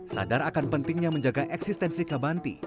sadar akan pentingnya menjaga eksistensi kabanti